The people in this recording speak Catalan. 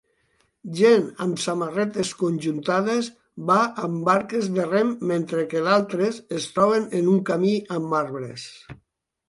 Gent amb samarretes conjuntades va amb barques de rem mentre que d'altres es troben en un camí amb arbres.